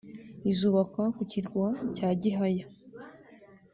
izubakwa ku kirwa cya Gihaya